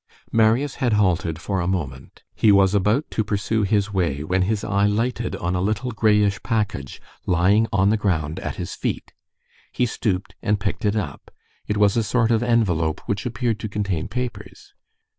Marius had halted for a moment. He was about to pursue his way, when his eye lighted on a little grayish package lying on the ground at his feet. He stooped and picked it up. It was a sort of envelope which appeared to contain papers.